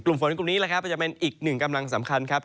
ฝนกลุ่มนี้แหละครับก็จะเป็นอีกหนึ่งกำลังสำคัญครับ